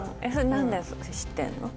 何で知ってんの？